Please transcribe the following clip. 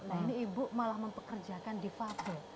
nah ini ibu malah mempekerjakan di fase